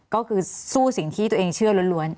ก็คือสู้สิ่งที่ตัวเองเชื่อล้วน